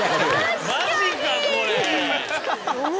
マジかこれ。